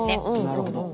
なるほど。